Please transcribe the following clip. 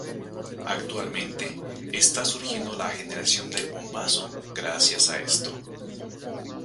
Actualmente, está surgiendo la Generación del Bombazo gracias a esto.